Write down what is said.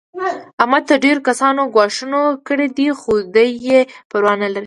احمد ته ډېرو کسانو ګواښونه کړي دي. خو دی یې پروا نه لري.